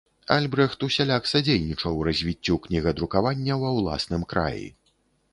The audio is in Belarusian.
Альбрэхт усяляк садзейнічаў развіццю кнігадрукавання ва ўласным краі.